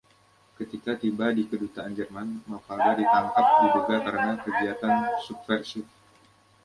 Ketika tiba di kedutaan Jerman, Mafalda ditangkap diduga karena kegiatan subversif.